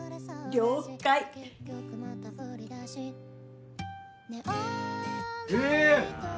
了解ええ！